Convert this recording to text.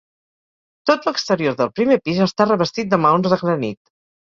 Tot l'exterior del primer pis està revestit de maons de granit.